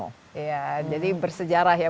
iya jadi bersejarah ya